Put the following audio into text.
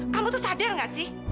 kamu tuh sadar gak sih